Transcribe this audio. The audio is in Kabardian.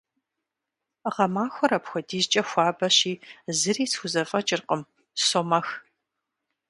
Гъэмахуэр апхуэдизкӀэ хуабэщи, зыри схузэфӀэкӀыркъым, сомэх.